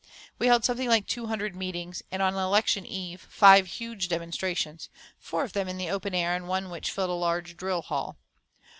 We held something like two hundred meetings, and on election eve, five huge demonstrations four of them in the open air and one which filled a large drill hall.